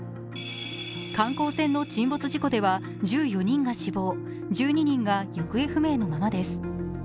観光船の沈没事故では１４人が死亡、１２人が行方不明のままです。